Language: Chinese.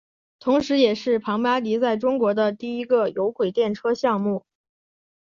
同时也是庞巴迪在中国的第一个有轨电车项目。